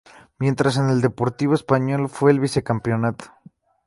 Mientras que el Deportivo Español fue el vicecampeón.